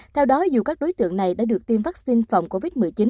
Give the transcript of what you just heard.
theo đó dù các đối tượng này đã được tiêm vaccine phòng covid một mươi chín